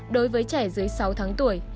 đối với trẻ dưới sáu tháng tuổi